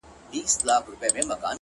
o اوس مي له هري لاري پښه ماته ده،